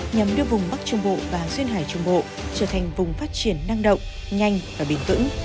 nhằm đưa vùng bắc trung bộ và hàng xuyên hải trung bộ trở thành vùng phát triển năng động nhanh và bình tĩnh